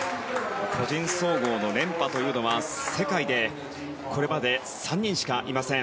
個人総合の連覇というのは世界でこれまで３人しかいません。